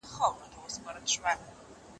زه به سبا سپينکۍ پرېولم وم؟!